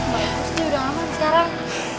bagus ini udah aman sekarang